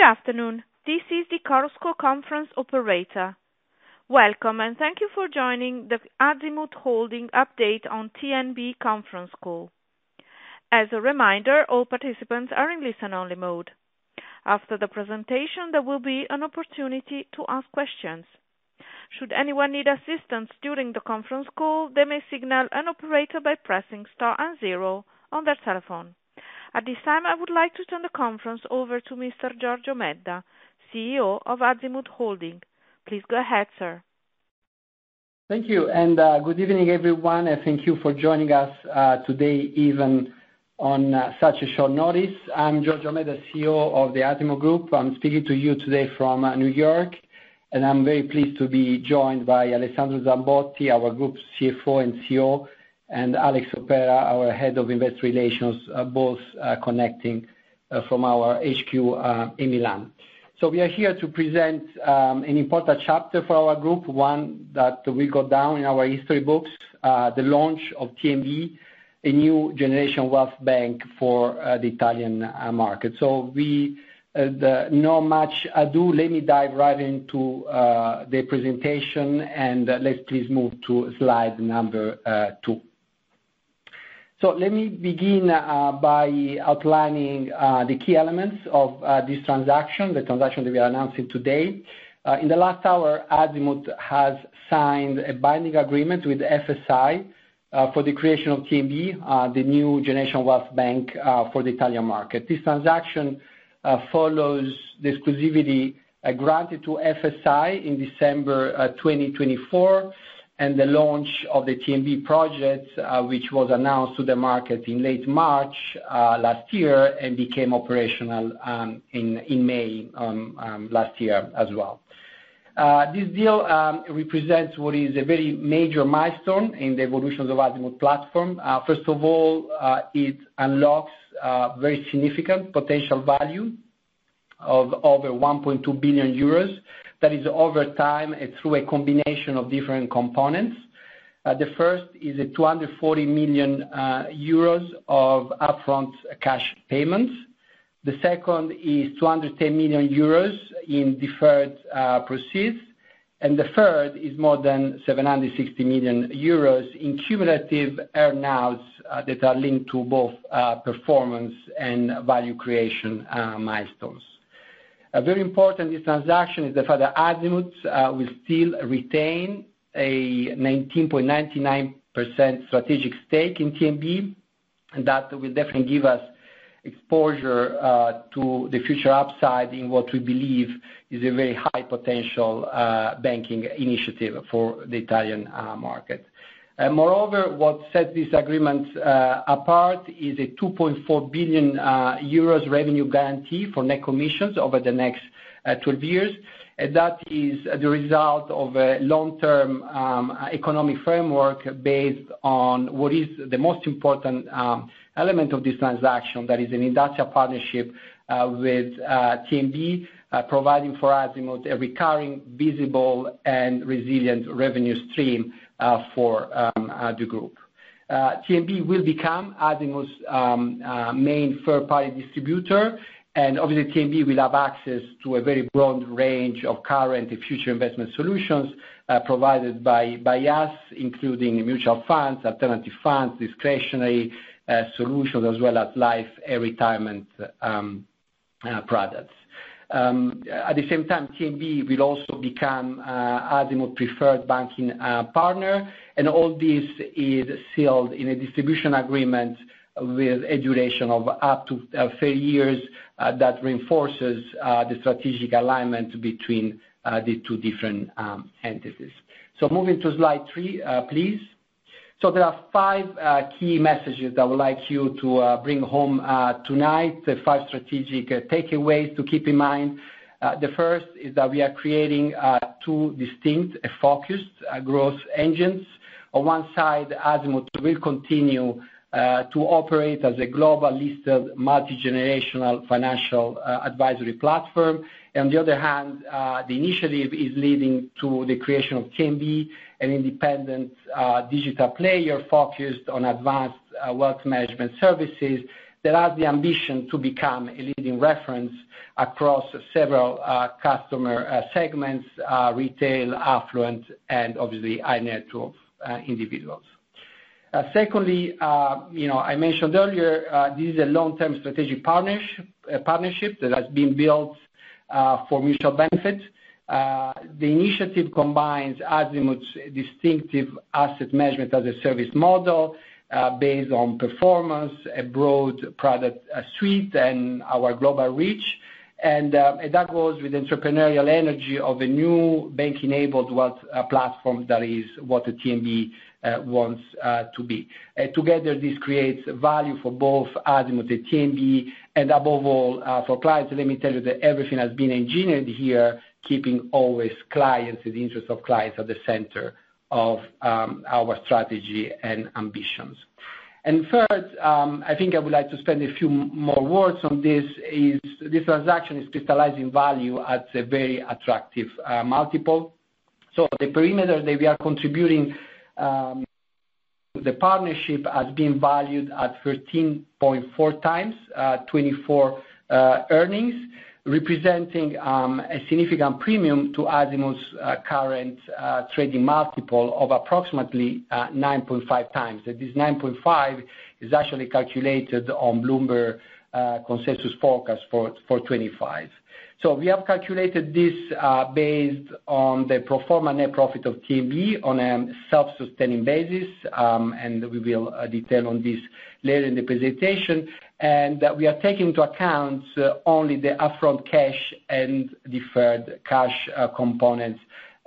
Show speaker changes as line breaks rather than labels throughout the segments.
Good afternoon, this is the Chorus Call conference operator. Welcome and thank you for joining the Azimut Holding update on TNB conference call. As a reminder, all participants are in listen-only mode. After the presentation, there will be an opportunity to ask questions. Should anyone need assistance during the conference call, they may signal an operator by pressing star and zero on their telephone. At this time, I would like to turn the conference over to Mr. Giorgio Medda, CEO of Azimut Holding. Please go ahead, sir.
Thank you and good evening, everyone. Thank you for joining us today, even on such a short notice. I'm Giorgio Medda, CEO of the Azimut Group. I'm speaking to you today from New York, and I'm very pleased to be joined by Alessandro Zambotti, our Group CFO and CEO, and Alex Soppera, our Head of Investor Relations, both connecting from our HQ in Milan. So we are here to present an important chapter for our group, one that we go down in our history books, the launch of TNB, a new generation wealth bank for the Italian market. So, without much ado, let me dive right into the presentation and let's please move to slide number two. So let me begin by outlining the key elements of this transaction, the transaction that we are announcing today. In the last hour, Azimut has signed a binding agreement with FSI for the creation of TNB, the new generation wealth bank for the Italian market. This transaction follows the exclusivity granted to FSI in December 2024 and the launch of the TNB project, which was announced to the market in late March last year and became operational in May last year as well. This deal represents what is a very major milestone in the evolution of Azimut platform. First of all, it unlocks very significant potential value of over 1.2 billion euros that is over time through a combination of different components. The first is 240 million euros of upfront cash payments. The second is 210 million euros in deferred proceeds. And the third is more than 760 million euros in cumulative earnouts that are linked to both performance and value creation milestones. Very important in this transaction is the fact that Azimut will still retain a 19.99% strategic stake in TNB, and that will definitely give us exposure to the future upside in what we believe is a very high potential banking initiative for the Italian market. Moreover, what sets this agreement apart is a 2.4 billion euros revenue guarantee for net commissions over the next 12 years. That is the result of a long-term economic framework based on what is the most important element of this transaction, that is an industrial partnership with TNB, providing for Azimut a recurring, visible, and resilient revenue stream for the group. TNB will become Azimut's main third-party distributor, and obviously, TNB will have access to a very broad range of current and future investment solutions provided by us, including mutual funds, alternative funds, discretionary solutions, as well as life and retirement products. At the same time, TNB will also become Azimut's preferred banking partner, and all this is sealed in a distribution agreement with a duration of up to 30 years that reinforces the strategic alignment between the two different entities. So moving to slide three, please. So there are five key messages that I would like you to bring home tonight, the five strategic takeaways to keep in mind. The first is that we are creating two distinct, focused growth engines. On one side, Azimut will continue to operate as a global listed multi-generational financial advisory platform. And on the other hand, the initiative is leading to the creation of TNB, an independent digital player focused on advanced wealth management services that has the ambition to become a leading reference across several customer segments, retail, affluent, and obviously high-net-worth individuals. Secondly, I mentioned earlier, this is a long-term strategic partnership that has been built for mutual benefit. The initiative combines Azimut's distinctive Asset Management as a Service model based on performance, a broad product suite, and our global reach. That goes with the entrepreneurial energy of a new bank-enabled wealth platform that is what TNB wants to be. Together, this creates value for both Azimut and TNB, and above all, for clients. Let me tell you that everything has been engineered here, keeping always clients and the interest of clients at the center of our strategy and ambitions. Third, I think I would like to spend a few more words on this. This transaction is crystallizing value at a very attractive multiple. The perimeter that we are contributing to the partnership has been valued at 13.4x 24 earnings, representing a significant premium to Azimut's current trading multiple of approximately 9.5x. This 9.5 is actually calculated on Bloomberg Consensus Forecast for 2025. We have calculated this based on the pro forma net profit of TNB on a self-sustaining basis, and we will detail on this later in the presentation. We are taking into account only the upfront cash and deferred cash components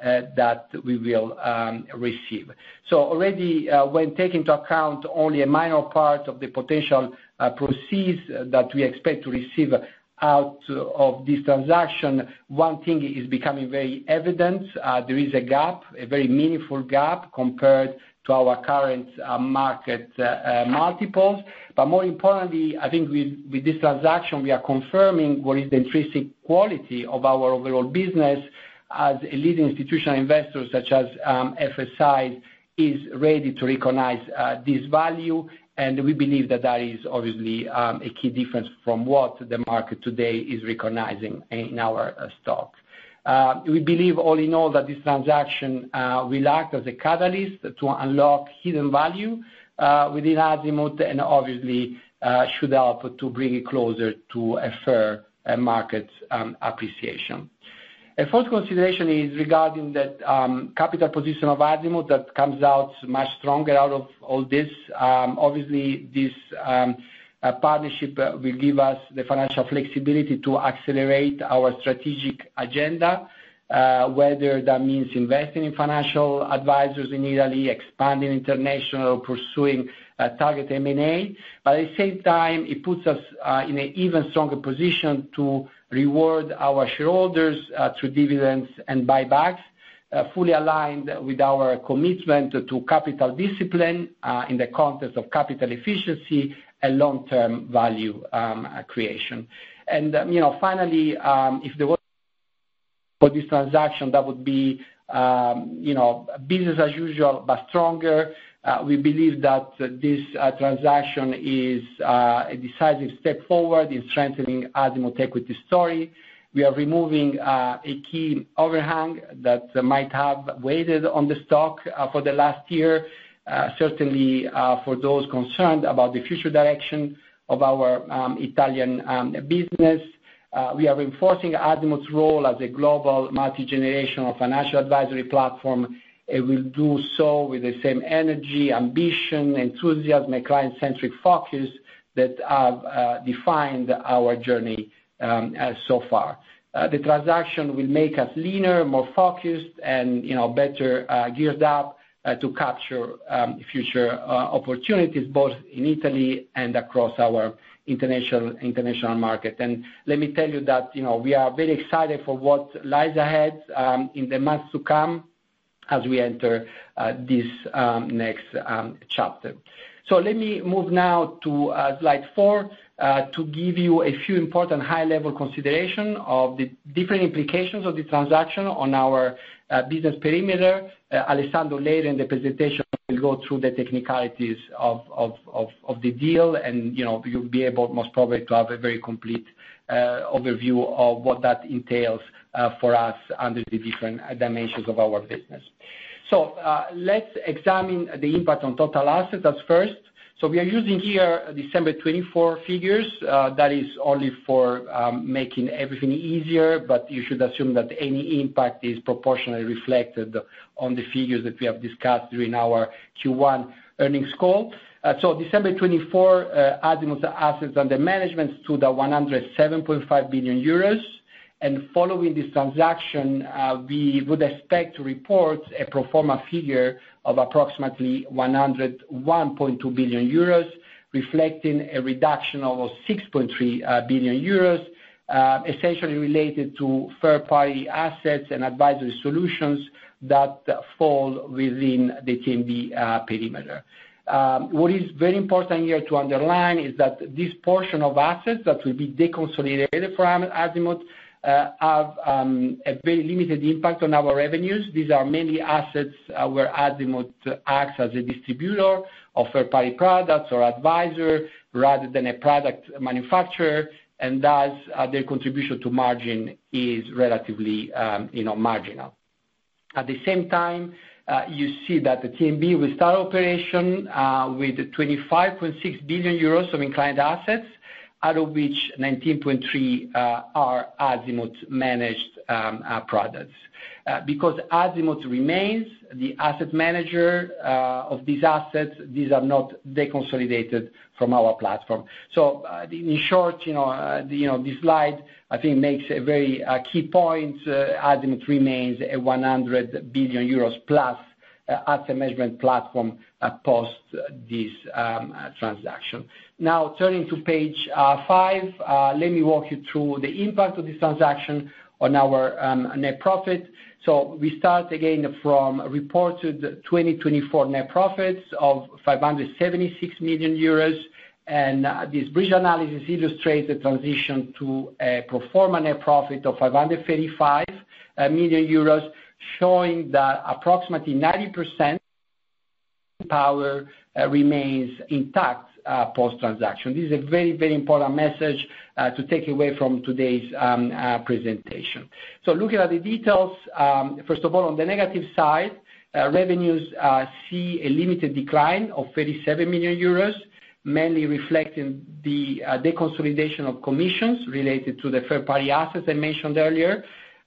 that we will receive. Already, when taking into account only a minor part of the potential proceeds that we expect to receive out of this transaction, one thing is becoming very evident. There is a gap, a very meaningful gap compared to our current market multiples. But more importantly, I think with this transaction, we are confirming what is the intrinsic quality of our overall business as a leading institutional investor such as FSI is ready to recognize this value. We believe that that is obviously a key difference from what the market today is recognizing in our stock. We believe all in all that this transaction will act as a catalyst to unlock hidden value within Azimut and obviously should help to bring it closer to a fair market appreciation. A fourth consideration is regarding the capital position of Azimut that comes out much stronger out of all this. Obviously, this partnership will give us the financial flexibility to accelerate our strategic agenda, whether that means investing in financial advisors in Italy, expanding international, pursuing target M&A. But at the same time, it puts us in an even stronger position to reward our shareholders through dividends and buybacks, fully aligned with our commitment to capital discipline in the context of capital efficiency and long-term value creation. And finally, if there was for this transaction, that would be business as usual, but stronger. We believe that this transaction is a decisive step forward in strengthening Azimut's equity story. We are removing a key overhang that might have weighed on the stock for the last year, certainly for those concerned about the future direction of our Italian business. We are reinforcing Azimut's role as a global multi-generational financial advisory platform. It will do so with the same energy, ambition, enthusiasm, and client-centric focus that have defined our journey so far. The transaction will make us leaner, more focused, and better geared up to capture future opportunities both in Italy and across our international market. And let me tell you that we are very excited for what lies ahead in the months to come as we enter this next chapter. So let me move now to slide four to give you a few important high-level considerations of the different implications of the transaction on our business perimeter. Alessandro later in the presentation will go through the technicalities of the deal, and you'll be able most probably to have a very complete overview of what that entails for us under the different dimensions of our business. So let's examine the impact on total assets first. So we are using here December 2024 figures. That is only for making everything easier, but you should assume that any impact is proportionally reflected on the figures that we have discussed during our Q1 earnings call, so December 2024, Azimut's assets under management stood at 107.5 billion euros, and following this transaction, we would expect to report a proforma figure of approximately 101.2 billion euros, reflecting a reduction of 6.3 billion euros, essentially related to third-party assets and advisory solutions that fall within the TNB perimeter. What is very important here to underline is that this portion of assets that will be deconsolidated from Azimut have a very limited impact on our revenues. These are mainly assets where Azimut acts as a distributor of third-party products or advisor rather than a product manufacturer, and thus their contribution to margin is relatively marginal. At the same time, you see that TNB will start operation with 25.6 billion euros of client assets, out of which 19.3 billion are Azimut-managed products. Because Azimut remains the asset manager of these assets, these are not deconsolidated from our platform. So in short, this slide, I think, makes a very key point. Azimut remains a 100+ billion euros asset management platform post this transaction. Now, turning to page five, let me walk you through the impact of this transaction on our net profit. So we start again from reported 2024 net profits of 576 million euros. And this bridge analysis illustrates the transition to a pro forma net profit of 535 million euros, showing that approximately 90% power remains intact post-transaction. This is a very, very important message to take away from today's presentation. So looking at the details, first of all, on the negative side, revenues see a limited decline of 37 million euros, mainly reflecting the deconsolidation of commissions related to the third-party assets I mentioned earlier.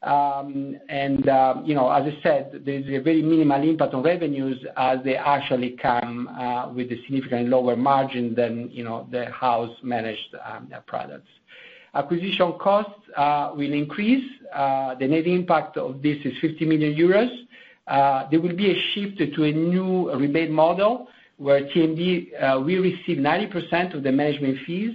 As I said, there is a very minimal impact on revenues as they actually come with a significantly lower margin than the house-managed products. Acquisition costs will increase. The net impact of this is 50 million euros. There will be a shift to a new rebate model where TNB will receive 90% of the management fees,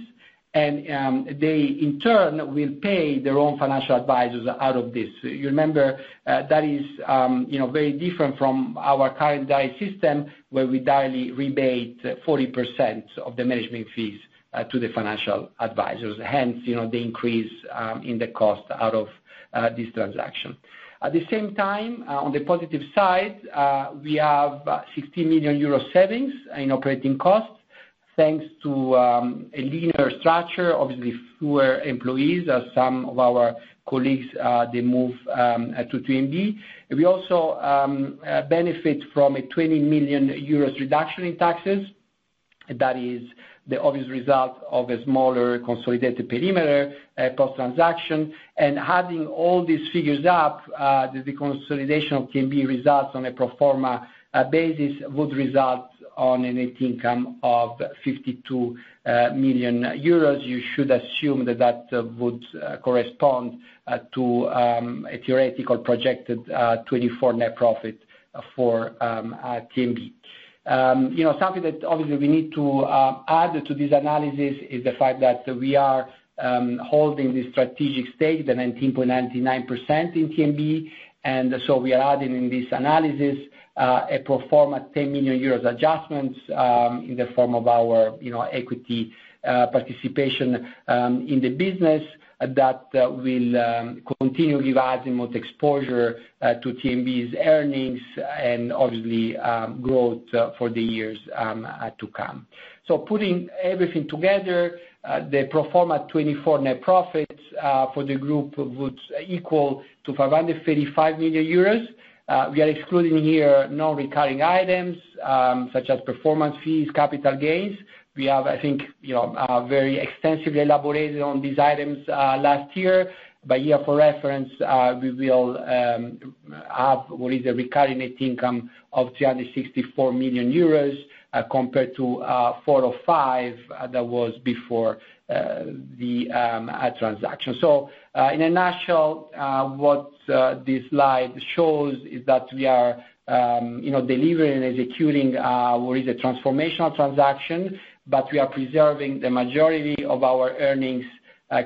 and they, in turn, will pay their own financial advisors out of this. You remember that is very different from our current direct system where we direct rebate 40% of the management fees to the financial advisors. Hence, the increase in the cost out of this transaction. At the same time, on the positive side, we have 60 million euro savings in operating costs thanks to a leaner structure, obviously fewer employees as some of our colleagues they move to TNB. We also benefit from a 20 million euros reduction in taxes. That is the obvious result of a smaller consolidated perimeter post-transaction, and having all these figures up, the consolidation of TNB results on a proforma basis would result in a net income of 52 million euros. You should assume that that would correspond to a theoretical projected 2024 net profit for TNB. Something that obviously we need to add to this analysis is the fact that we are holding this strategic stake, the 19.99% in TNB. And so we are adding in this analysis a pro forma 10 million euros adjustment in the form of our equity participation in the business that will continue to give Azimut exposure to TNB's earnings and obviously growth for the years to come. So putting everything together, the pro forma 2024 net profits for the group would equal to 535 million euros. We are excluding here non-recurring items such as performance fees, capital gains. We have, I think, very extensively elaborated on these items last year. By way of reference, we will have what is the recurring net income of 364 million euros compared to 405 that was before the transaction. So in a nutshell, what this slide shows is that we are delivering and executing what is a transformational transaction, but we are preserving the majority of our earnings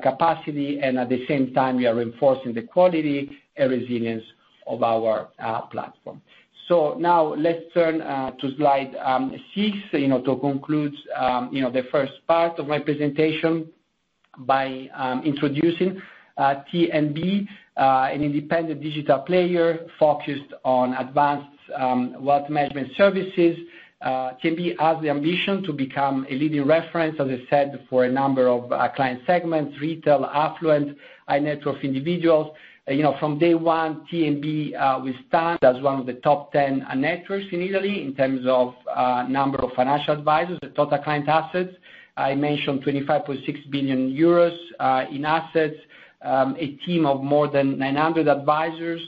capacity. At the same time, we are reinforcing the quality and resilience of our platform. So now let's turn to slide six to conclude the first part of my presentation by introducing TNB, an independent digital player focused on advanced wealth management services. TNB has the ambition to become a leading reference, as I said, for a number of client segments, retail, affluent, high-net-worth individuals. From day one, TNB will stand as one of the top 10 networks in Italy in terms of number of financial advisors and total client assets. I mentioned 25.6 billion euros in assets, a team of more than 900 advisors,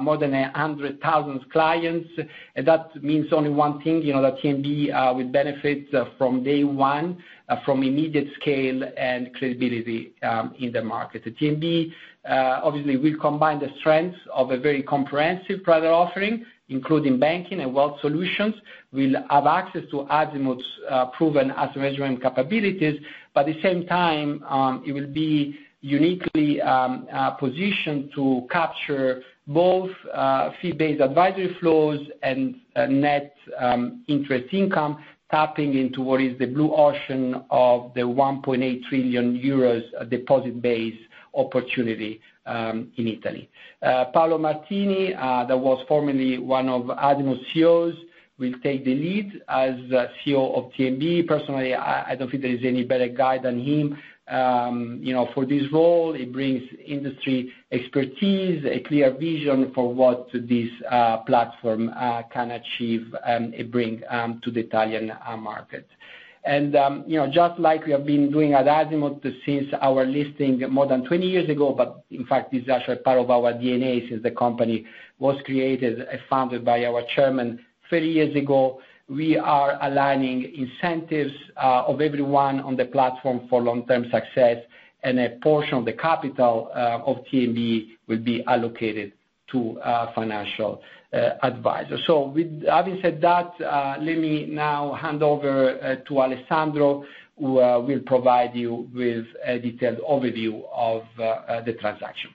more than 100,000 clients. That means only one thing, that TNB will benefit from day one from immediate scale and credibility in the market. TNB obviously will combine the strengths of a very comprehensive product offering, including banking and wealth solutions. We'll have access to Azimut's proven asset management capabilities. But at the same time, it will be uniquely positioned to capture both fee-based advisory flows and net interest income, tapping into what is the blue ocean of the 1.8 trillion euros deposit-based opportunity in Italy. Paolo Martini, that was formerly one of Azimut's CEOs, will take the lead as CEO of TNB. Personally, I don't think there is any better guy than him for this role. It brings industry expertise, a clear vision for what this platform can achieve and bring to the Italian market. Just like we have been doing at Azimut since our listing more than 20 years ago, but in fact, this is actually part of our DNA since the company was created and founded by our chairman 30 years ago, we are aligning incentives of everyone on the platform for long-term success, and a portion of the capital of TNB will be allocated to financial advisors. Having said that, let me now hand over to Alessandro, who will provide you with a detailed overview of the transaction.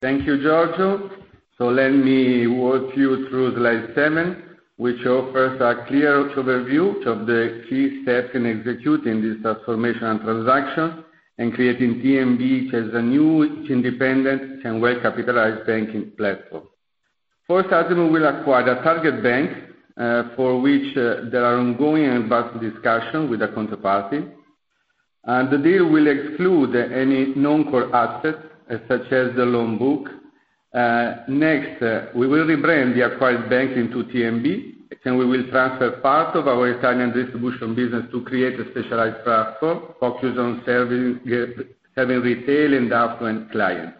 Thank you, Giorgio. Let me walk you through slide seven, which offers a clear overview of the key steps in executing this transformational transaction and creating TNB as a new, independent, and well-capitalized banking platform. First, Azimut will acquire a target bank for which there are ongoing and advanced discussions with the counterparty. The deal will exclude any non-core assets such as the loan book. Next, we will rebrand the acquired bank into TNB, and we will transfer part of our Italian distribution business to create a specialized platform focused on serving retail and affluent clients.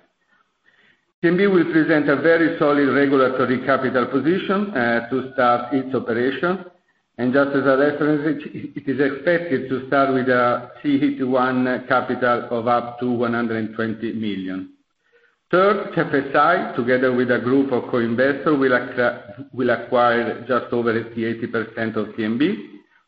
TNB will present a very solid regulatory capital position to start its operation. Just as a reference, it is expected to start with a CET1 capital of up to 120 million. Third, FSI, together with a group of co-investors, will acquire just over 80% of TNB.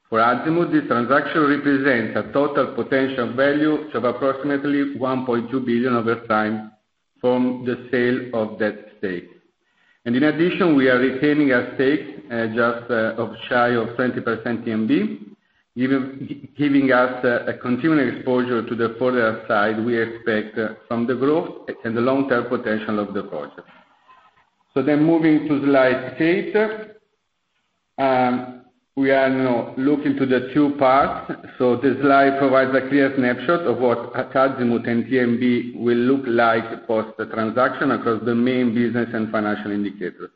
For Azimut, this transaction represents a total potential value of approximately 1.2 billion over time from the sale of that stake. In addition, we are retaining a stake just shy of 20% TNB, giving us a continuing exposure to the upside we expect from the growth and the long-term potential of the project. So then moving to slide eight, we are now looking to the two parts. This slide provides a clear snapshot of what Azimut and TNB will look like post-transaction across the main business and financial indicators.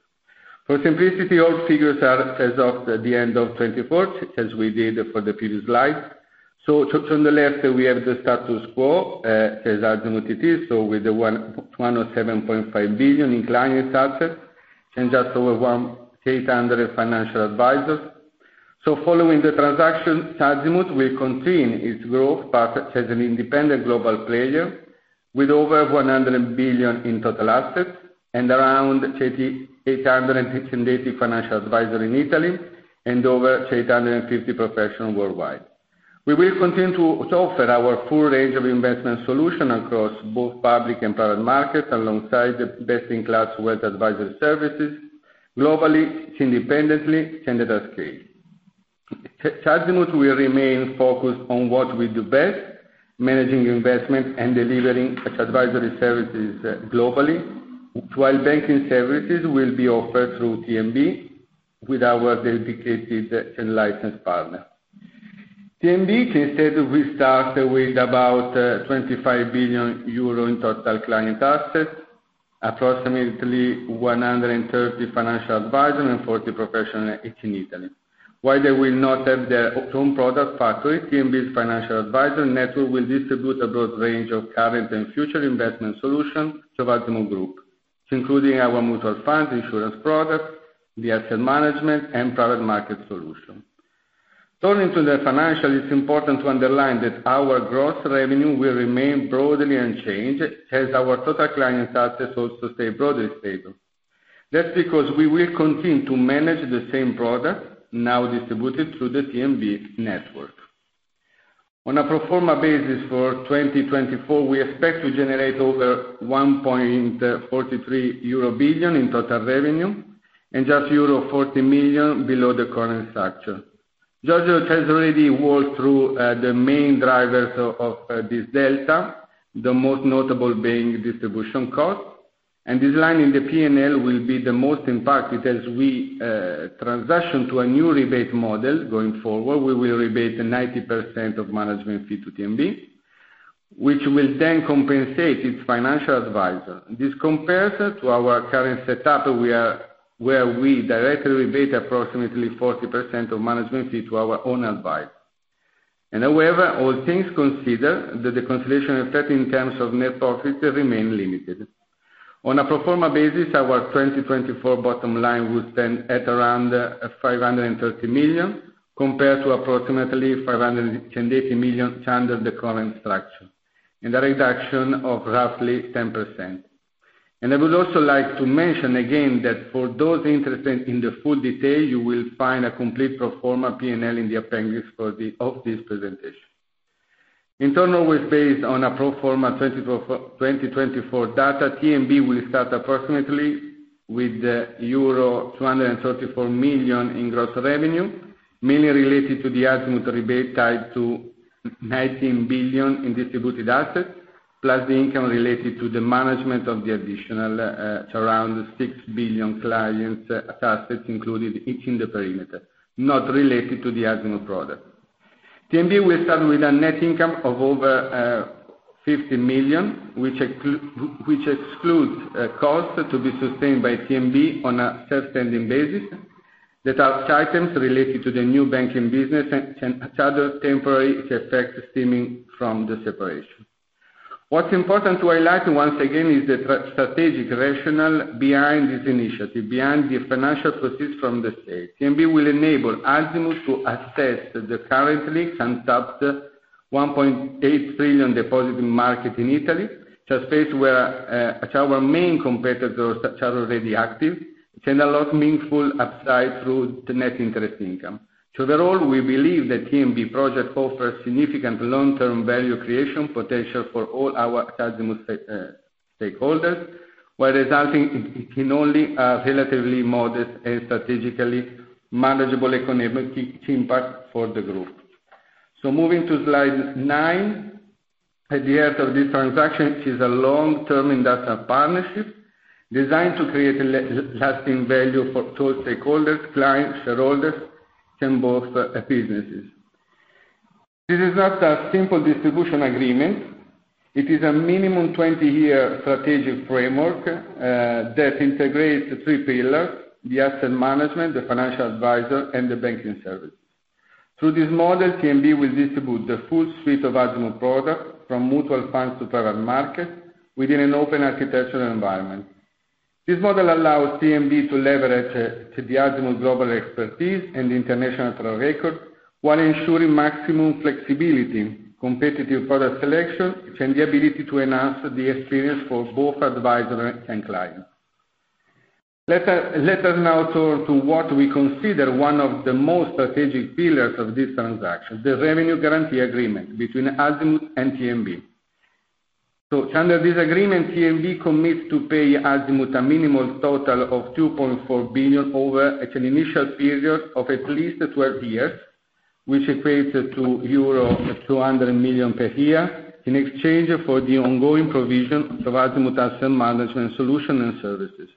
For simplicity, all figures are set out as at the end of 2024, as we did for the previous slide. On the left, we have the status quo as Azimut it is, so with 107.5 billion including assets and just over 800 financial advisors. Following the transaction, Azimut will continue its growth as an independent global player with over 100 billion in total assets and around 880 financial advisors in Italy and over 850 professionals worldwide. We will continue to offer our full range of investment solutions across both public and private markets alongside the best-in-class wealth advisory services globally, independently, and at a scale. Azimut will remain focused on what we do best, managing investment and delivering such advisory services globally, while banking services will be offered through TNB with our dedicated and licensed partner. TNB, instead, will start with about 25 billion euro in total client assets, approximately 130 financial advisors and 40 professionals in Italy. While they will not have their own product factory, TNB's financial advisory network will distribute a broad range of current and future investment solutions to Azimut Group, including our mutual funds, insurance products, the asset management, and private market solutions. Turning to the financial, it's important to underline that our gross revenue will remain broadly unchanged as our total client assets also stay broadly stable. That's because we will continue to manage the same product, now distributed through the TNB network. On a pro forma basis for 2024, we expect to generate over 1.43 billion euro in total revenue and just euro 40 million below the current structure. Giorgio has already walked through the main drivers of this delta, the most notable being distribution costs. And this line in the P&L will be the most impacted as we transition to a new rebate model going forward. We will rebate 90% of management fee to TNB, which will then compensate its financial advisor. This compares to our current setup where we directly rebate approximately 40% of management fee to our own advisor. However, all things considered, the deconsolidation effect in terms of net profit remains limited. On a pro forma basis, our 2024 bottom line will stand at around 530 million compared to approximately 580 million under the current structure and a reduction of roughly 10%. I would also like to mention again that for those interested in the full detail, you will find a complete pro forma P&L in the appendix of this presentation. In turn, always based on a pro forma 2024 data, TNB will start approximately with euro 234 million in gross revenue, mainly related to the Azimut rebate tied to 19 billion in distributed assets, plus the income related to the management of the additional around 6 billion clients' assets included in the perimeter, not related to the Azimut product. TNB will start with a net income of over 50 million, which excludes costs to be sustained by TNB on a self-standing basis. The tax items related to the new banking business and other temporary effects stemming from the separation. What's important to highlight once again is the strategic rationale behind this initiative, behind the financial proceeds from the state. TNB will enable Azimut to assess the currently untapped 1.8 trillion deposit in market in Italy, a space where our main competitors are already active and a lot meaningful upside through the net interest income. So overall, we believe that TNB project offers significant long-term value creation potential for all our Azimut stakeholders, while resulting in only a relatively modest and strategically manageable economic impact for the group. So moving to slide nine, at the end of this transaction, it is a long-term industrial partnership designed to create lasting value for all stakeholders, clients, shareholders, and both businesses. This is not a simple distribution agreement. It is a minimum 20-year strategic framework that integrates three pillars: the asset management, the financial advisor, and the banking services. Through this model, TNB will distribute the full suite of Azimut products from mutual funds to private markets within an open architectural environment. This model allows TNB to leverage the Azimut global expertise and international track record while ensuring maximum flexibility, competitive product selection, and the ability to enhance the experience for both advisors and clients. Let us now turn to what we consider one of the most strategic pillars of this transaction, the revenue guarantee agreement between Azimut and TNB. So under this agreement, TNB commits to pay Azimut a minimal total of 2.4 billion over an initial period of at least 12 years, which equates to euro 200 million per year in exchange for the ongoing provision of Azimut asset management solutions and services.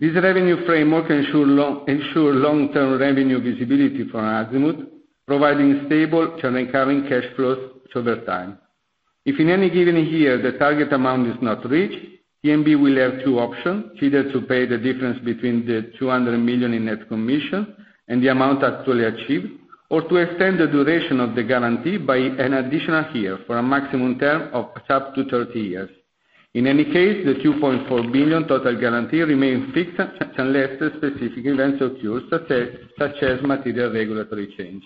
This revenue framework ensures long-term revenue visibility for Azimut, providing stable and recurring cash flows over time. If in any given year the target amount is not reached, TNB will have two options: either to pay the difference between the 200 million in net commission and the amount actually achieved, or to extend the duration of the guarantee by an additional year for a maximum term of up to 30 years. In any case, the 2.4 billion total guarantee remains fixed unless specific events occur, such as material regulatory change.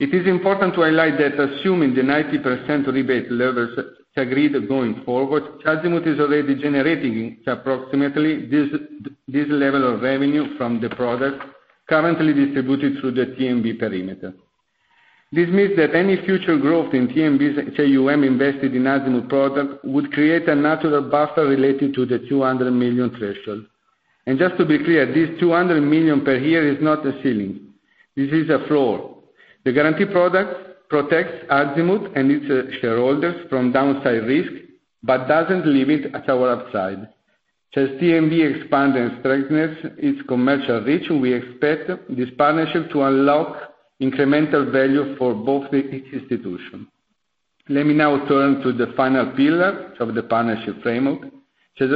It is important to highlight that assuming the 90% rebate level is agreed going forward, Azimut is already generating approximately this level of revenue from the products currently distributed through the TNB perimeter. This means that any future growth in TNB's AUM invested in Azimut product would create a natural buffer related to the 200 million threshold. Just to be clear, this 200 million per year is not a ceiling. This is a floor. The guarantee product protects Azimut and its shareholders from downside risk but doesn't limit our upside. As TNB expands and strengthens its commercial reach, we expect this partnership to unlock incremental value for both the institutions. Let me now turn to the final pillar of the partnership framework. As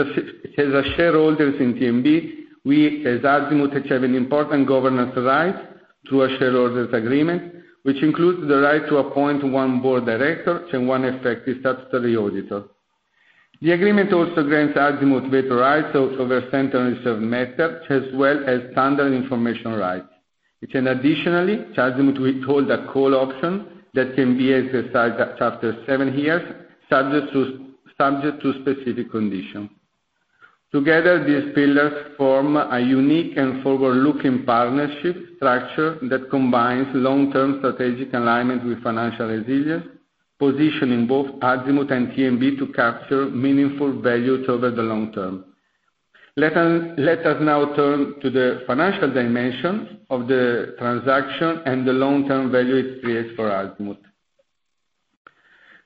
shareholders in TNB, we as Azimut have an important governance right through a shareholders' agreement, which includes the right to appoint one board director and one effective statutory auditor. The agreement also grants Azimut veto rights over centralized methods, as well as standard information rights. Additionally, Azimut holds a call option that can be exercised after seven years, subject to specific conditions. Together, these pillars form a unique and forward-looking partnership structure that combines long-term strategic alignment with financial resilience, positioning both Azimut and TNB to capture meaningful value over the long term. Let us now turn to the financial dimension of the transaction and the long-term value it creates for Azimut.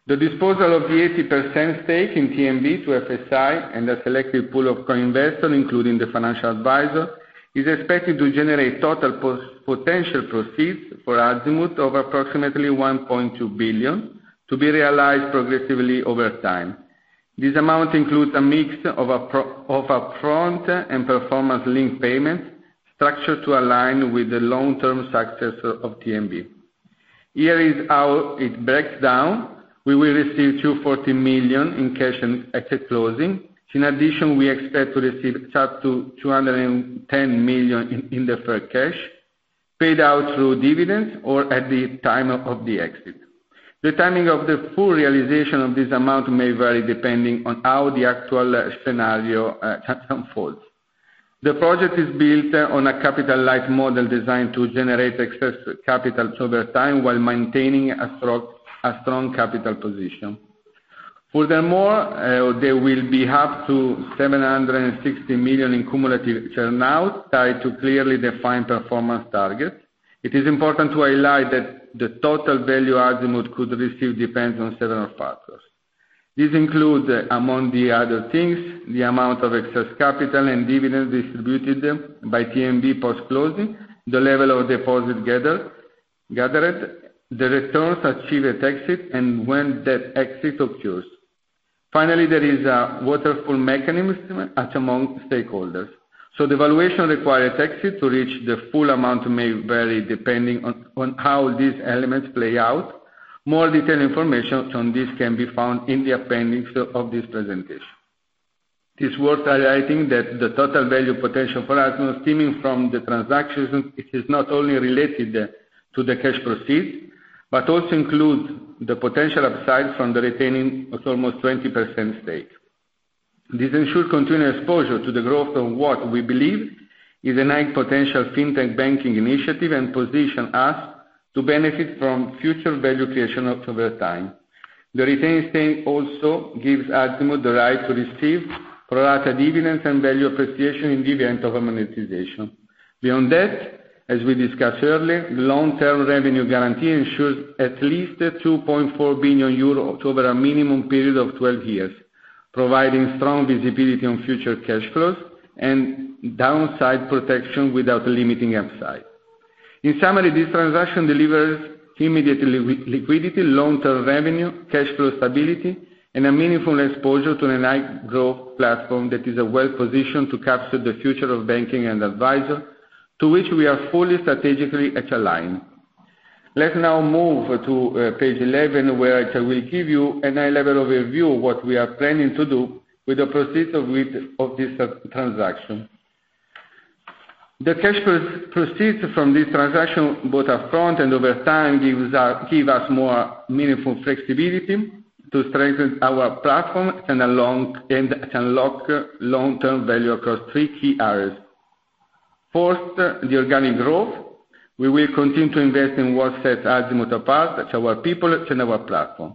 The disposal of the 80% stake in TNB to FSI and a selective pool of co-investors, including the financial advisor, is expected to generate total potential proceeds for Azimut of approximately 1.2 billion to be realized progressively over time. This amount includes a mix of upfront and performance-linked payments structured to align with the long-term success of TNB. Here is how it breaks down. We will receive 240 million in cash at closing. In addition, we expect to receive up to 210 million in deferred cash paid out through dividends or at the time of the exit. The timing of the full realization of this amount may vary depending on how the actual scenario unfolds. The project is built on a capital light model designed to generate excess capital over time while maintaining a strong capital position. Furthermore, there will be up to 760 million in cumulative earn-out tied to clearly defined performance targets. It is important to highlight that the total value Azimut could receive depends on several factors. These include, among the other things, the amount of excess capital and dividends distributed by TNB post-closing, the level of deposit gathered, the returns achieved at exit, and when that exit occurs. Finally, there is a waterfall mechanism among stakeholders. So the valuation required at exit to reach the full amount may vary depending on how these elements play out. More detailed information on this can be found in the appendix of this presentation. It is worth highlighting that the total value potential for Azimut stemming from the transaction is not only related to the cash proceeds but also includes the potential upside from the retaining of almost 20% stake. This ensures continuing exposure to the growth of what we believe is a potential fintech banking initiative and positions us to benefit from future value creation over time. The retained stake also gives Azimut the right to receive pro-rata dividends and value appreciation independent of amortization. Beyond that, as we discussed earlier, the long-term revenue guarantee ensures at least 2.4 billion euros over a minimum period of 12 years, providing strong visibility on future cash flows and downside protection without limiting upside. In summary, this transaction delivers immediate liquidity, long-term revenue, cash flow stability, and a meaningful exposure to a growth platform that is well-positioned to capture the future of banking and advisory, to which we are fully strategically aligned. Let's now move to page 11, where I will give you a high-level overview of what we are planning to do with the proceeds of this transaction. The cash proceeds from this transaction, both upfront and over time, give us more meaningful flexibility to strengthen our platform and unlock long-term value across three key areas. First, the organic growth. We will continue to invest in what sets Azimut apart, our people, and our platform.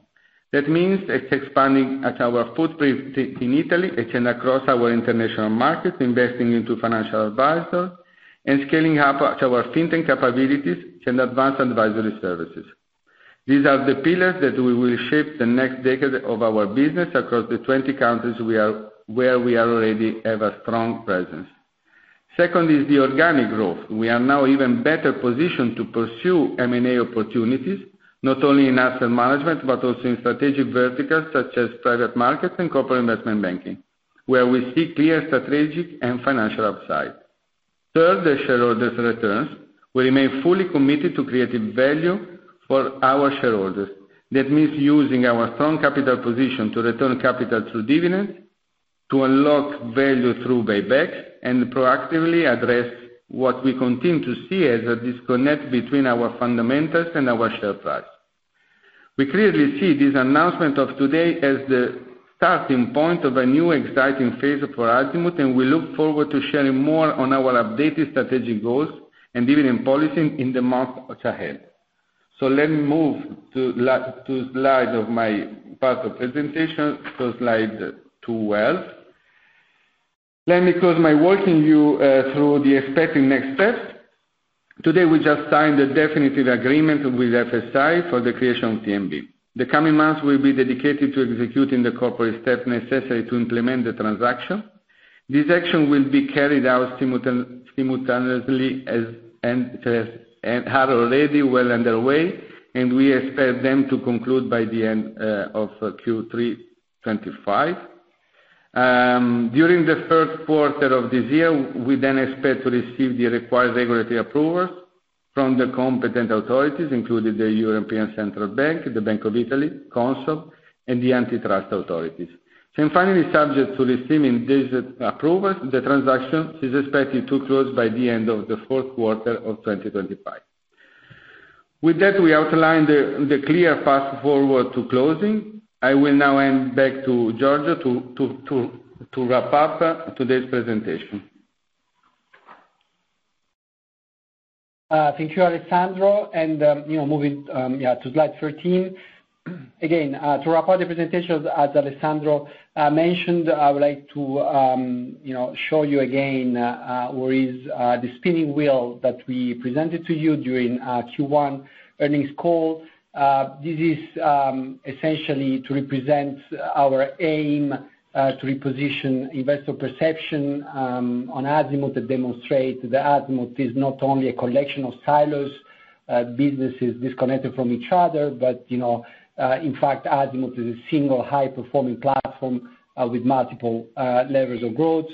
That means expanding our footprint in Italy and across our international markets, investing into financial advisors and scaling up our fintech capabilities and advanced advisory services. These are the pillars that we will shape the next decade of our business across the 20 countries where we already have a strong presence. Second is the organic growth. We are now even better positioned to pursue M&A opportunities, not only in asset management but also in strategic verticals such as private markets and corporate investment banking, where we see clear strategic and financial upside. Third, the shareholders' returns. We remain fully committed to create value for our shareholders. That means using our strong capital position to return capital through dividends, to unlock value through buybacks, and proactively address what we continue to see as a disconnect between our fundamentals and our share price. We clearly see this announcement of today as the starting point of a new exciting phase for Azimut, and we look forward to sharing more on our updated strategic goals and dividend policy in the months ahead. So let me move to the slide of my part of the presentation, slide 12. Let me go through the expected next steps. Today, we just signed a definitive agreement with FSI for the creation of TNB. The coming months will be dedicated to executing the corporate steps necessary to implement the transaction. This action will be carried out simultaneously and is already well underway, and we expect them to conclude by the end of Q3 2025. During the first quarter of this year, we then expect to receive the required regulatory approvals from the competent authorities, including the European Central Bank, the Bank of Italy, CONSOB, and the antitrust authorities. And finally, subject to receiving these approvals, the transaction is expected to close by the end of the fourth quarter of 2025. With that, we outline the clear path forward to closing. I will now hand back to Giorgio to wrap up today's presentation.
Thank you, Alessandro. Moving to slide 13. Again, to wrap up the presentation, as Alessandro mentioned, I would like to show you again where is the spinning wheel that we presented to you during Q1 earnings call. This is essentially to represent our aim to reposition investor perception on Azimut and demonstrate that Azimut is not only a collection of silos businesses disconnected from each other, but in fact, Azimut is a single high-performing platform with multiple levels of growth.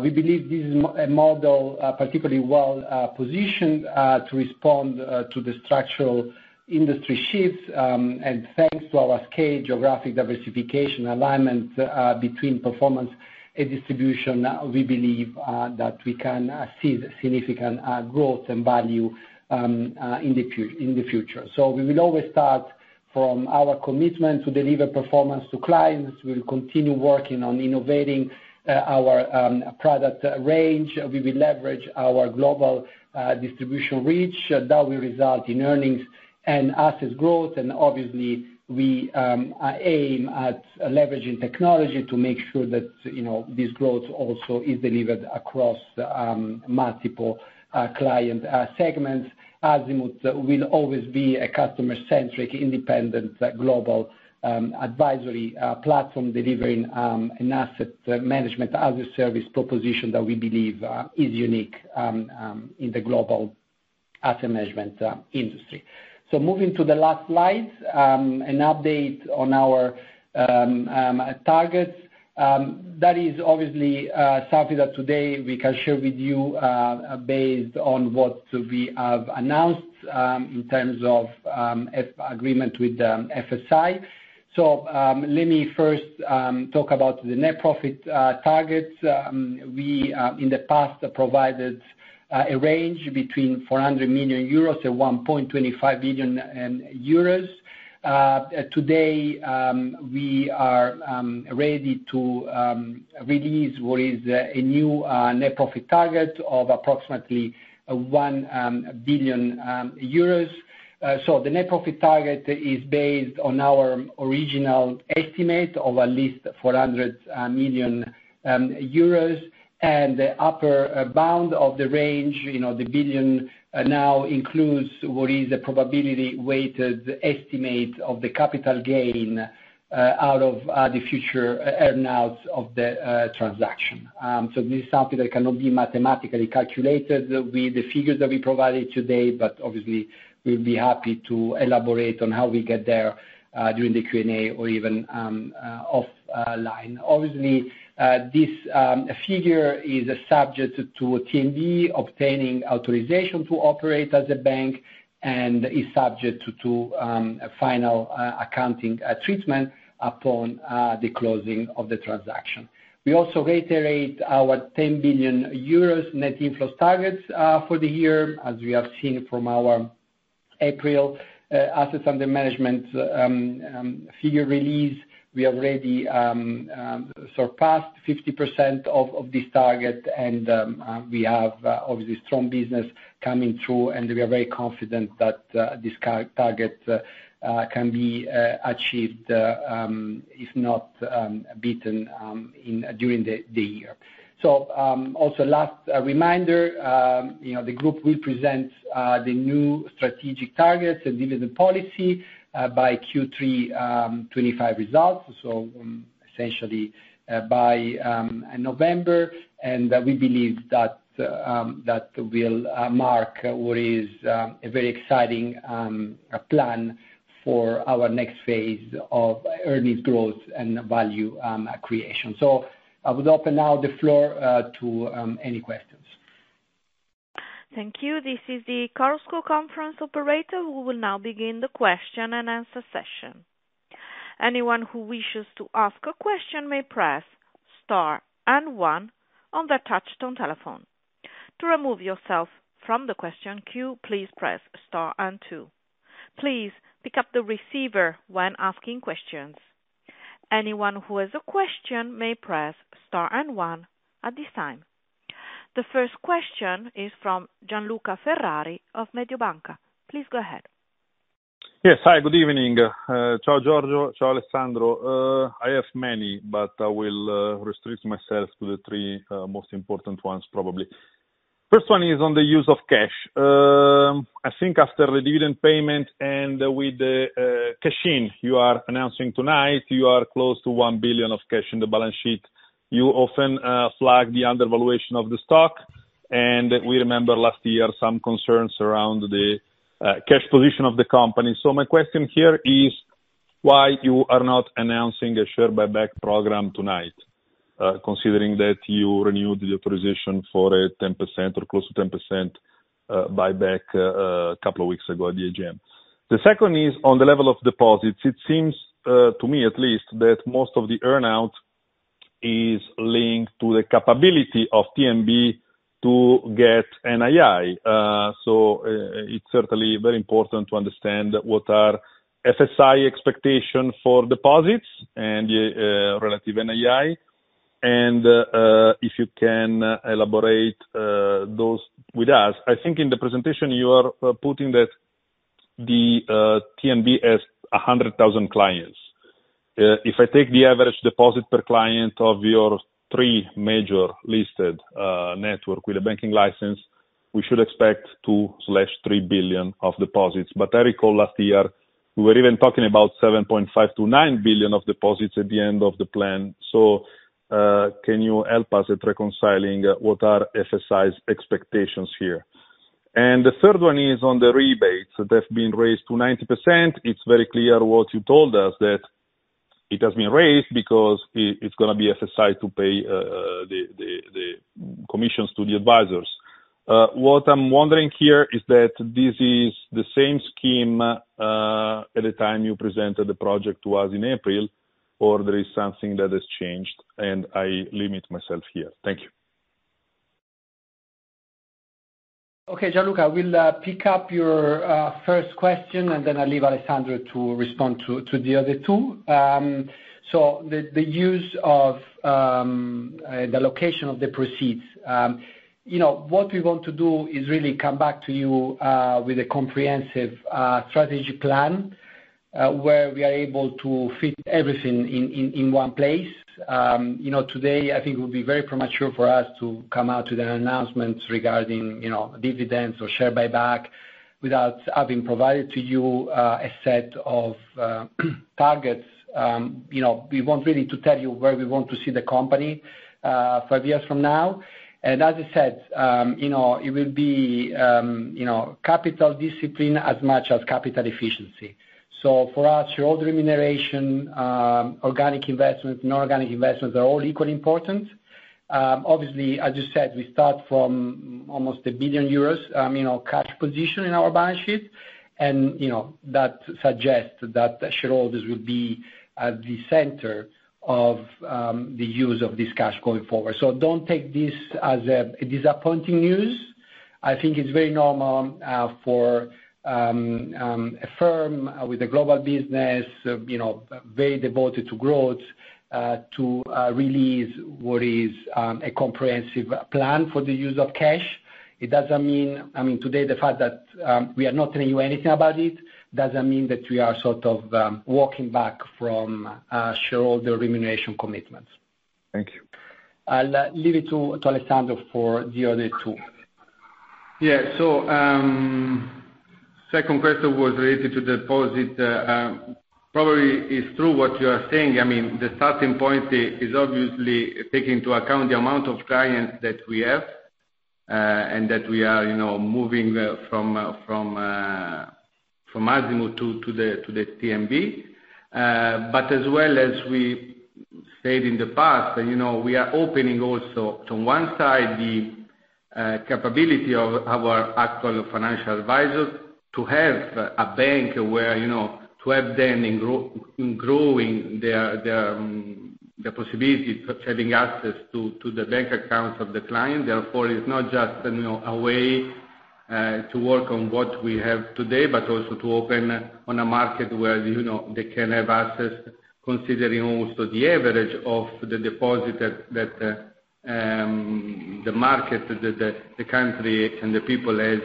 We believe this is a model particularly well-positioned to respond to the structural industry shifts, and thanks to our scale geographic diversification alignment between performance and distribution, we believe that we can see significant growth and value in the future, so we will always start from our commitment to deliver performance to clients. We will continue working on innovating our product range. We will leverage our global distribution reach. That will result in earnings and asset growth, and obviously, we aim at leveraging technology to make sure that this growth also is delivered across multiple client segments. Azimut will always be a customer-centric, independent global advisory platform delivering an Asset Management as a Service proposition that we believe is unique in the global asset management industry. So moving to the last slide, an update on our targets. That is obviously something that today we can share with you based on what we have announced in terms of agreement with FSI. So let me first talk about the net profit targets. We, in the past, provided a range between 400 million euros and 1.25 billion euros. Today, we are ready to release what is a new net profit target of approximately 1 billion euros. So the net profit target is based on our original estimate of at least 400 million euros. The upper bound of the range, the billion now includes what is a probability-weighted estimate of the capital gain out of the future earnings of the transaction. So this is something that cannot be mathematically calculated with the figures that we provided today, but obviously, we'll be happy to elaborate on how we get there during the Q&A or even offline. Obviously, this figure is subject to TNB obtaining authorization to operate as a bank and is subject to final accounting treatment upon the closing of the transaction. We also reiterate our 10 billion euros net inflow targets for the year. As we have seen from our April assets under management figure release, we have already surpassed 50% of this target, and we have obviously strong business coming through, and we are very confident that this target can be achieved, if not beaten, during the year. Also, last reminder, the group will present the new strategic targets and dividend policy by Q3 2025 results, so essentially by November. We believe that will mark what is a very exciting plan for our next phase of earnings growth and value creation. So I would open now the floor to any questions.
Thank you. This is the Chorus Call conference operator who will now begin the question and answer session. Anyone who wishes to ask a question may press star and one on the touch-tone telephone. To remove yourself from the question queue, please press star and two. Please pick up the receiver when asking questions. Anyone who has a question may press star and one at this time. The first question is from Gianluca Ferrari of Mediobanca. Please go ahead.
Yes. Hi, good evening. Ciao, Giorgio. Ciao, Alessandro. I have many, but I will restrict myself to the three most important ones, probably. First one is on the use of cash. I think after the dividend payment and with the cash in you are announcing tonight, you are close to 1 billion of cash in the balance sheet. You often flag the undervaluation of the stock, and we remember last year some concerns around the cash position of the company. So my question here is why you are not announcing a share buyback program tonight, considering that you renewed the authorization for a 10% or close to 10% buyback a couple of weeks ago at the AGM? The second is on the level of deposits. It seems to me, at least, that most of the earnout is linked to the capability of TNB to get NII. So it's certainly very important to understand what are FSI expectations for deposits and relative NII. And if you can elaborate those with us. I think in the presentation, you are putting that the TNB has 100,000 clients. If I take the average deposit per client of your three major listed network with a banking license, we should expect 2/3 billion of deposits, but I recall last year, we were even talking about 7.5-9 billion of deposits at the end of the plan, so can you help us at reconciling what are FSI's expectations here? And the third one is on the rebates that have been raised to 90%. It's very clear what you told us, that it has been raised because it's going to be FSI to pay the commissions to the advisors. What I'm wondering here is that this is the same scheme at the time you presented the project to us in April, or there is something that has changed, and I limit myself here. Thank you.
Okay. Gianluca, I will pick up your first question, and then I'll leave Alessandro to respond to the other two. So the allocation of the proceeds, what we want to do is really come back to you with a comprehensive strategy plan where we are able to fit everything in one place. Today, I think it would be very premature for us to come out with an announcement regarding dividends or share buyback without having provided to you a set of targets. We want really to tell you where we want to see the company five years from now. As I said, it will be capital discipline as much as capital efficiency. So for us, shareholder remuneration, organic investment, and non-organic investments are all equally important. Obviously, as you said, we start from almost 1 billion euros cash position in our balance sheet, and that suggests that shareholders will be at the center of the use of this cash going forward. So don't take this as disappointing news. I think it's very normal for a firm with a global business very devoted to growth to release what is a comprehensive plan for the use of cash. It doesn't mean, I mean, today, the fact that we are not telling you anything about it doesn't mean that we are sort of walking back from shareholder remuneration commitments.
Thank you.
I'll leave it to Alessandro for the other two.
Yeah. So the second question was related to deposit. Probably it's true what you are saying. I mean, the starting point is obviously taking into account the amount of clients that we have and that we are moving from Azimut to the TNB. But as well as we said in the past, we are opening also on one side the capability of our actual financial advisors to have a bank where to help them in growing the possibility of having access to the bank accounts of the client. Therefore, it's not just a way to work on what we have today, but also to open on a market where they can have access considering also the average of the deposit that the market, the country, and the people has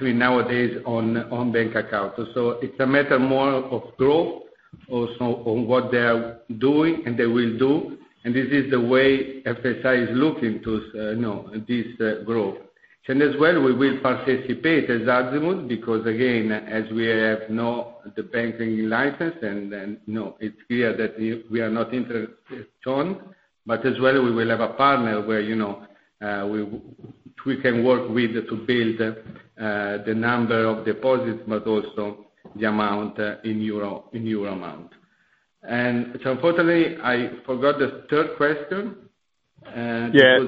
nowadays on bank accounts. So it's a matter more of growth also on what they are doing and they will do. This is the way FSI is looking to this growth. As well, we will participate as Azimut because, again, as we have no banking license, and it's clear that we are not interested. But as well, we will have a partner where we can work with to build the number of deposits, but also the amount in euro amount. Unfortunately, I forgot the third question.
Yes.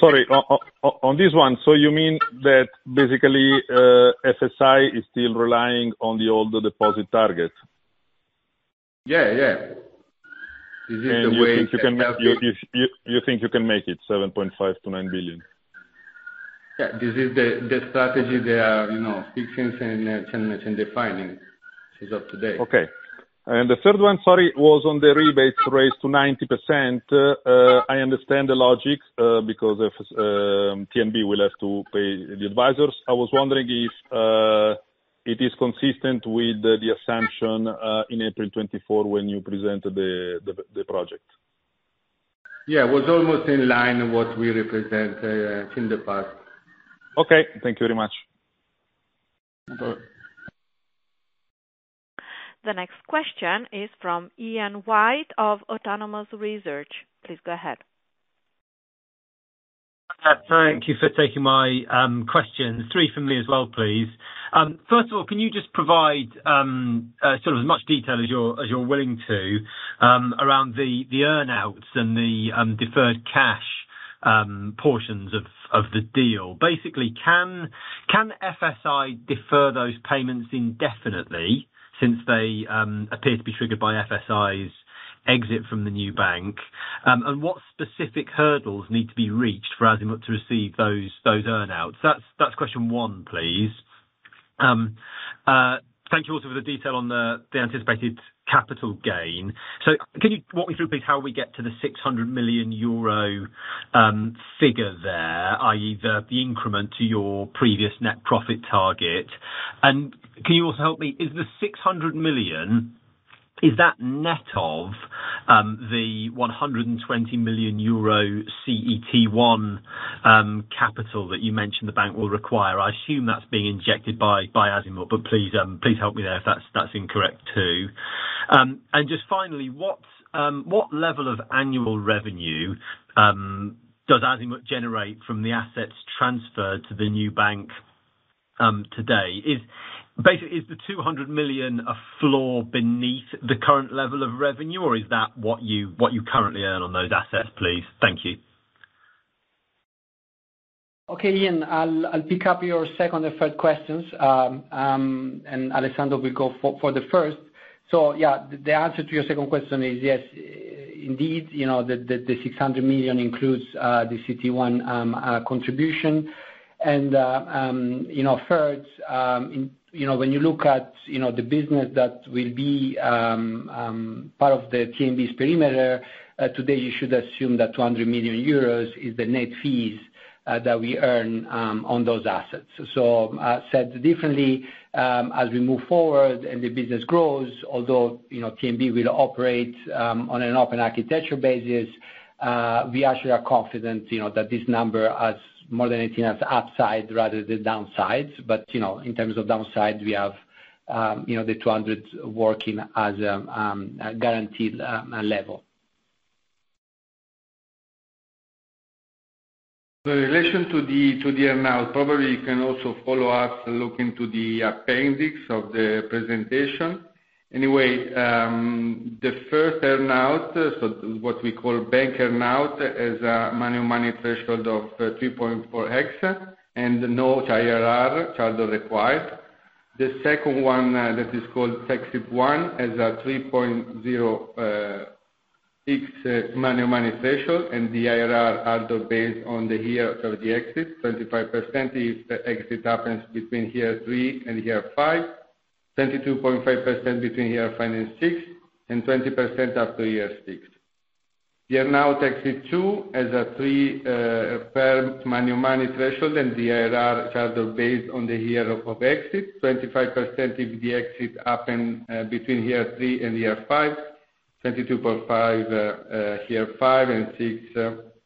Sorry. On this one, so you mean that basically FSI is still relying on the old deposit target?
Yeah, yeah. This is the way you can make it.
You think you can make it 7.5 billion-9 billion?
Yeah. This is the strategy they are fixing and defining. This is up to date.
Okay. And the third one, sorry, was on the rebates raised to 90%. I understand the logic because TNB will have to pay the advisors. I was wondering if it is consistent with the assumption in April 2024 when you presented the project.
Yeah. It was almost in line with what we represented in the past.
Okay. Thank you very much.
The next question is from Ian White of Autonomous Research. Please go ahead.
Thank you for taking my questions. Three from me as well, please. First of all, can you just provide sort of as much detail as you're willing to around the earnouts and the deferred cash portions of the deal? Basically, can FSI defer those payments indefinitely since they appear to be triggered by FSI's exit from the new bank? And what specific hurdles need to be reached for Azimut to receive those earnouts? That's question one, please. Thank you also for the detail on the anticipated capital gain. Can you walk me through, please, how we get to the 600 million euro figure there, i.e., the increment to your previous net profit target? And can you also help me? Is the 600 million, is that net of the 120 million euro CET1 capital that you mentioned the bank will require? I assume that's being injected by Azimut, but please help me there if that's incorrect too. And just finally, what level of annual revenue does Azimut generate from the assets transferred to the new bank today? Basically, is the 200 million a floor beneath the current level of revenue, or is that what you currently earn on those assets, please? Thank you.
Okay, Ian. I'll pick up your second and third questions, and Alessandro will go for the first. So yeah, the answer to your second question is yes, indeed, the 600 million includes the CET1 contribution. Third, when you look at the business that will be part of the TNB's perimeter, today, you should assume that 200 million euros is the net fees that we earn on those assets. So said differently, as we move forward and the business grows, although TNB will operate on an open architecture basis, we actually are confident that this number has more than anything else upside rather than downsides. But in terms of downside, we have the 200 working as a guaranteed level.
In relation to the earnout, probably you can also follow up and look into the appendix of the presentation. Anyway, the first earnout, so what we call bank earnout, has a Money on Money threshold of 3.4x and no IRR threshold required. The second one that is called Tier 1 has a 3.0x MoM threshold, and the IRR are based on the year of the exit, 25% if the exit happens between year three and year five, 22.5% between year five and six, and 20% after year six. The earnout Tier 2 has a 3x MoM threshold, and the IRR are based on the year of exit, 25% if the exit happened between year three and year five, 22.5% year five and six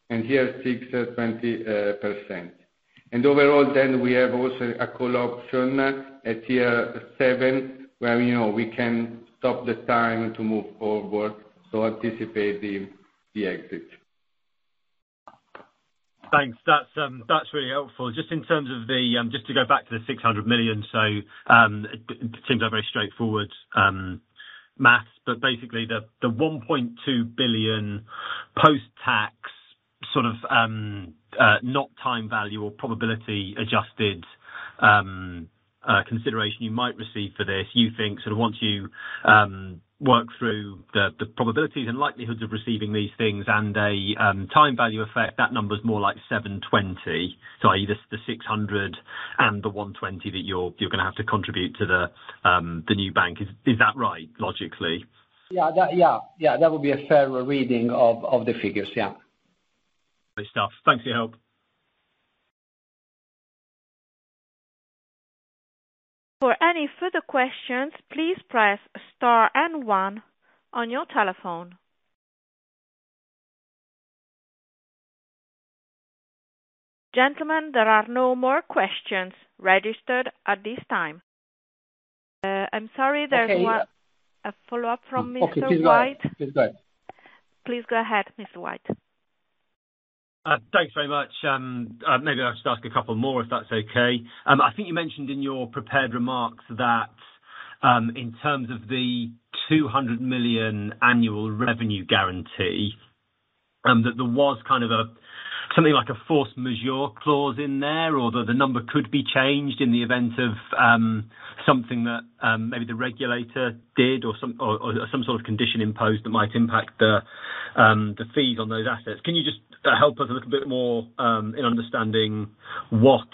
and year six, 20%. Overall, then we have also a call option at year seven where we can stop the time to move forward to anticipate the exit.
Thanks. That's really helpful. Just in terms of, just to go back to the 600 million, so it seems like very straightforward math, but basically, the 1.2 billion post-tax sort of not time value or probability-adjusted consideration you might receive for this, you think sort of once you work through the probabilities and likelihoods of receiving these things and a time value effect, that number is more like 720 million, so i.e., the 600 million and the 120 million that you're going to have to contribute to the new bank. Is that right, logically?
Yeah. Yeah. Yeah. That would be a fair reading of the figures. Yeah.
Great stuff. Thanks for your help.
For any further questions, please press star and one on your telephone. Gentlemen, there are no more questions registered at this time. I'm sorry, there's a follow-up from Mr. White. Please go ahead, Mr. White.
Thanks very much. Maybe I'll just ask a couple more if that's okay. I think you mentioned in your prepared remarks that in terms of the 200 million annual revenue guarantee, that there was kind of something like a force majeure clause in there, or that the number could be changed in the event of something that maybe the regulator did or some sort of condition imposed that might impact the fees on those assets. Can you just help us a little bit more in understanding what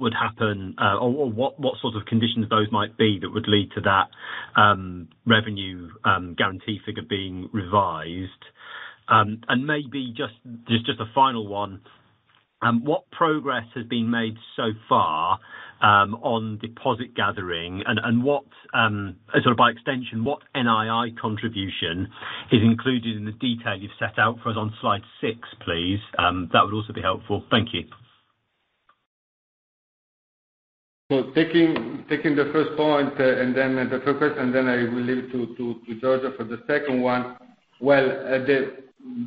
would happen or what sort of conditions those might be that would lead to that revenue guarantee figure being revised? And maybe just a final one, what progress has been made so far on deposit gathering? And sort of by extension, what NII contribution is included in the detail you've set out for us on slide six, please? That would also be helpful. Thank you.
So taking the first point and then the focus, and then I will leave it to Giorgio for the second one. Well,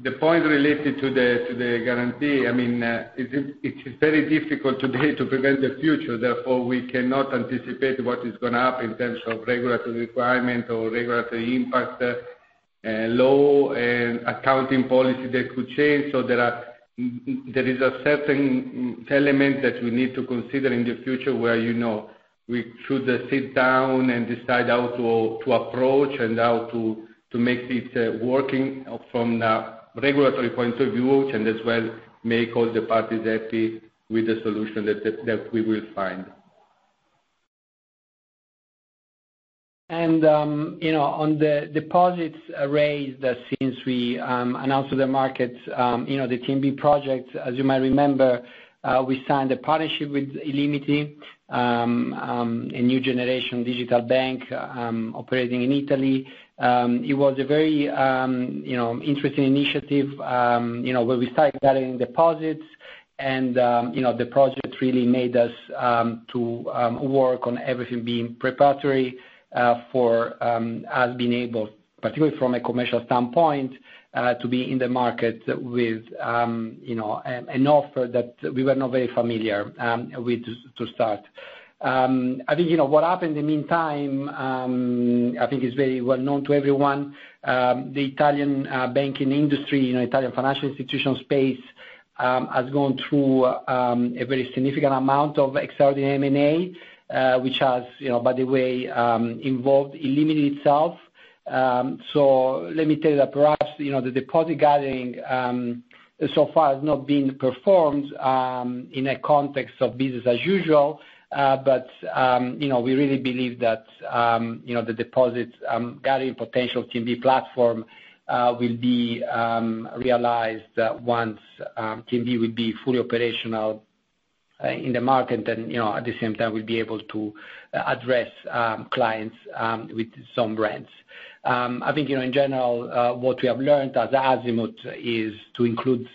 the point related to the guarantee, I mean, it is very difficult today to predict the future. Therefore, we cannot anticipate what is going to happen in terms of regulatory requirement or regulatory impact and new accounting policy that could change. So there is a certain element that we need to consider in the future where we should sit down and decide how to approach and how to make it working from the regulatory point of view and as well make all the parties happy with the solution that we will find.
On the deposits raised since we announced to the market the TNB project, as you might remember, we signed a partnership with illimity, a new generation digital bank operating in Italy. It was a very interesting initiative where we started gathering deposits, and the project really made us work on everything being preparatory for us being able, particularly from a commercial standpoint, to be in the market with an offer that we were not very familiar with to start. I think what happened in the meantime, I think, is very well known to everyone. The Italian banking industry, Italian financial institution space, has gone through a very significant amount of extraordinary M&A, which has, by the way, involved illimity itself. So let me tell you that perhaps the deposit gathering so far has not been performed in a context of business as usual, but we really believe that the deposit gathering potential TNB platform will be realized once TNB would be fully operational in the market, and at the same time, we'll be able to address clients with some brands. I think, in general, what we have learned as Azimut is to include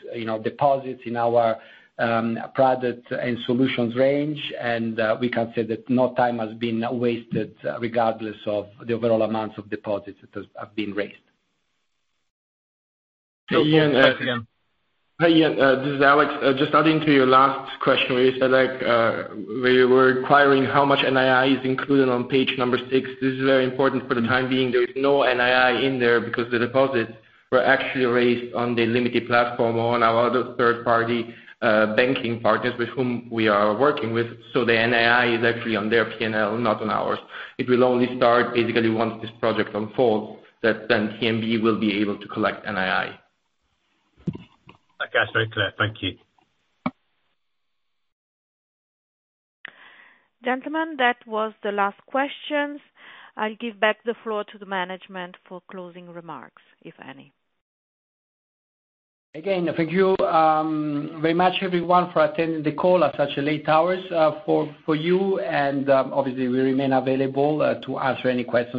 deposits in our product and solutions range, and we can say that no time has been wasted regardless of the overall amounts of deposits that have been raised.
Thank you. Ian, this is Alex. Just adding to your last question where you said that we were inquiring how much NII is included on page number six. This is very important for the time being. There is no NII in there because the deposits were actually raised on the illimity platform or on our other third-party banking partners with whom we are working with. So the NII is actually on their P&L, not on ours. It will only start basically once this project unfolds that then TNB will be able to collect NII.
Okay. That's very clear. Thank you.
Gentlemen, that was the last questions. I'll give back the floor to the management for closing remarks, if any.
Again, thank you very much, everyone, for attending the call at such late hours. For you, and obviously, we remain available to answer any questions.